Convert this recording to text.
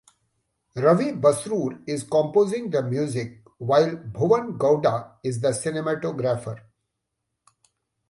Ravi Basrur is composing the music while Bhuvan Gowda is the cinematographer.